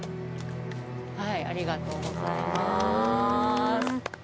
ありがとうございます。